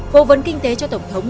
vô vấn kinh tế cho tổng thống